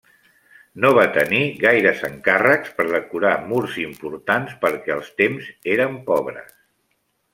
No va tenir gaires encàrrecs per decorar murs importants perquè els temps eren pobres.